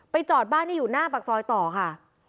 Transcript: จอดบ้านที่อยู่หน้าปากซอยต่อค่ะ